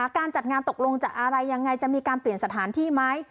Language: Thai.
การจัดงานตกลงจะอะไรยังไงจะมีการเปลี่ยนสถานที่ไหม